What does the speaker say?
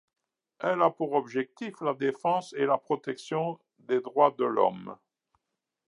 Elle a pour objectif la défense et la protection des droits de l'homme.